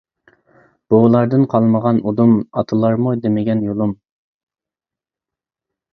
بوۋىلاردىن قالمىغان ئۇدۇم، ئاتىلارمۇ دېمىگەن يولۇم.